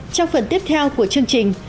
trong phần tiếp theo của chương trình